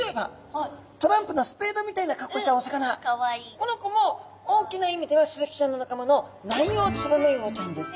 この子も大きな意味ではスズキちゃんの仲間のナンヨウツバメウオちゃんです。